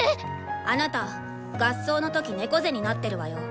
あなた合奏の時猫背になってるわよ。